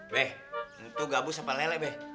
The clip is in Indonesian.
be itu gabus apa lele be